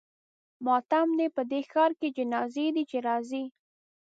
ماتم دی په دې ښار کې جنازې دي چې راځي.